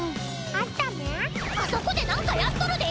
あそこでなんかやっとるで！